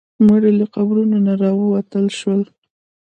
مړي له قبرونو نه راوتل شول.